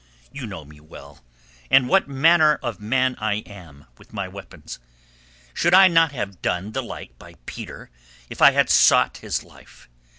You know me well, and what manner of man I am with my weapons. Should I not have done the like by Peter if I had sought his life?